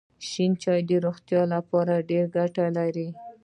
شین چای د روغتیا لپاره ډېره ګټه لري.